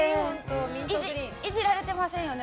イジられてませんよね？